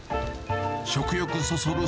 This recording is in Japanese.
食欲そそる